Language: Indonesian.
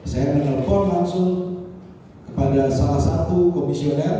saya menelpon langsung kepada salah satu komisioner